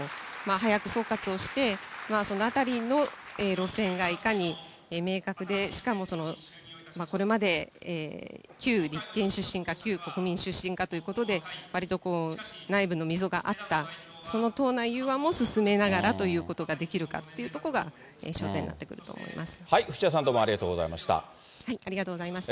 早く総括をして、そのあたりの路線が、いかに明確で、しかも、これまで旧立憲出身か、旧国民出身かということで、わりと内部の溝があった、その党内融和も進めながらということができるかっていうとこが焦伏屋さん、どうもありがとうありがとうございました。